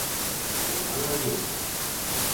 Tallar la gespa.